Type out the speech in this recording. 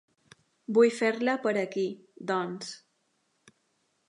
Vull fer-la per aquí, doncs.